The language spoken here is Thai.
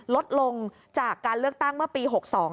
ลดลงจากการเลือกตั้งเมื่อปี๖๒